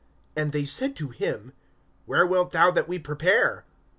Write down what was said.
(9)And they said to him: Where wilt thou that we prepare?